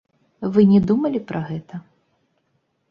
Вы не думалі пра гэта?